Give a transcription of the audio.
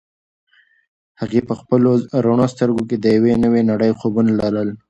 هغې په خپلو رڼو سترګو کې د یوې نوې نړۍ خوبونه لرل.